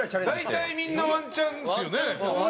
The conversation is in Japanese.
大体みんなワンチャンですよね。